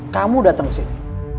kamu dateng kesini